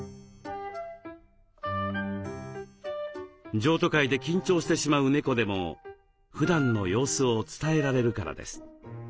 譲渡会で緊張してしまう猫でもふだんの様子を伝えられるからです。